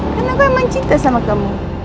karena aku emang cinta sama kamu